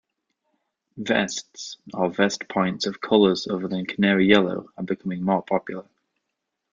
Vests or vest points of colours other than canary yellow are becoming more popular.